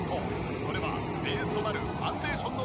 それはベースとなるファンデーションの塗り方。